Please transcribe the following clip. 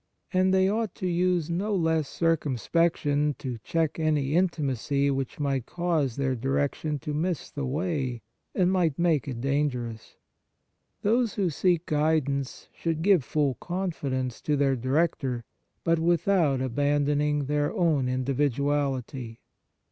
And they ought to use no less cir cumspection to check any intimacy which might cause their direction to miss the way, and might make it dangerous. Those who seek guidance should give full confidence to their director, but without abandoning their own individuality.